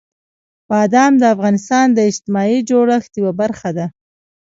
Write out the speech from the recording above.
بادام د افغانستان د اجتماعي جوړښت یوه برخه ده.